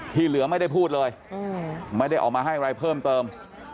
ที่เหลือไม่ได้พูดเลยไม่ได้ออกมาให้อะไรเพิ่มเติม